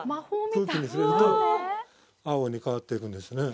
空気に触れると青に変わっていくんですね